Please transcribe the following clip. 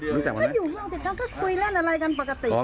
ก็อยู่เมืองติดกันก็คุยเล่นอะไรกันปกติ